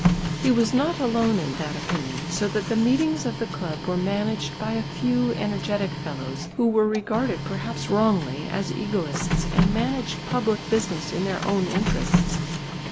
He was not alone in that opinion, so that the meetings of the club were managed by a few energetic fellows, who were regarded perhaps wrongly, as egoists and managed public business in their own interests.